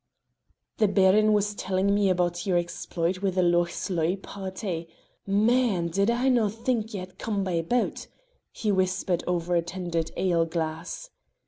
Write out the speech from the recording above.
"The Baron was telling me aboot your exploit wi' the Loch Sloy pairty. Man! did I no' think ye had come by boat," he whispered over a tendered ale glass.